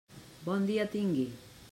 Bon dia tingui.